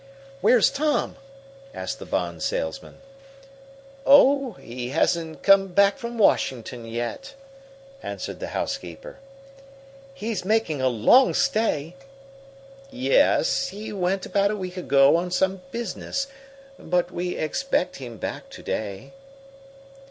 "Where's Tom?" asked the bond salesman. "Oh, he hasn't come back from Washington yet," answered the housekeeper. "He is making a long stay." "Yes, he went about a week ago on some business. But we expect him back to day."